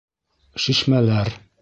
Шишмәләр...